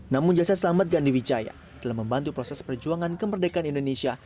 namun jasa selamat gandhi wijaya telah membantu proses perjuangan kemerdekaan indonesia